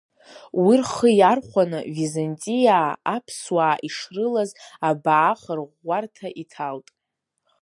Уи рхы иархәаны, византиаа аԥсуаа ишрылаз абаа-хырӷәӷәарҭа иҭалт.